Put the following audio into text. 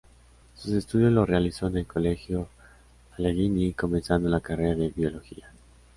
Sus estudios los realizó en el Colegio Allegheny comenzando la carrera de Biología.